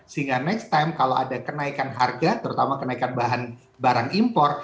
sehingga next time kalau ada kenaikan harga terutama kenaikan barang impor